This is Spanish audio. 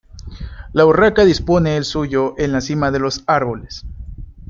La urraca dispone el suyo en la cima de los árboles.